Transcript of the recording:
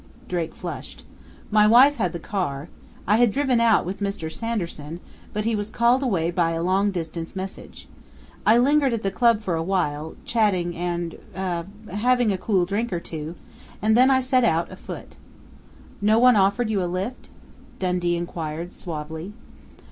Drake flushed. "My wife had the car. I had driven out with Mr. Sanderson, but he was called away by a long distance message. I lingered at the club for a while, chatting and er having a cool drink or two, then I set out afoot." "No one offered you a lift?" Dundee inquired suavely.